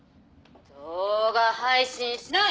動画配信しない！